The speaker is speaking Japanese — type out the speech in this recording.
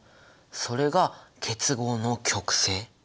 それが結合の極性。